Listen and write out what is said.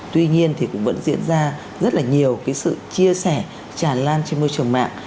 tuy nhiên thì cũng vẫn diễn ra rất là nhiều cái sự chia sẻ tràn lan trên môi trường mạng